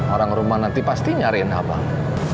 orang rumah nanti pasti nyariin abang